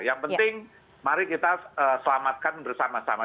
yang penting mari kita selamatkan bersama sama